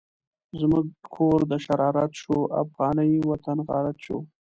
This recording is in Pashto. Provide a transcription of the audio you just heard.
زموږ کور د شرارت شو، افغانی وطن غارت شو